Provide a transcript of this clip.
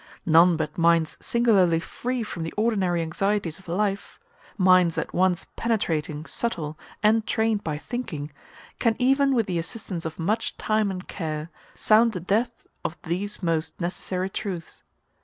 None but minds singularly free from the ordinary anxieties of life minds at once penetrating, subtle, and trained by thinking can even with the assistance of much time and care, sound the depth of these most necessary truths.